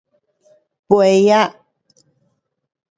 还没呀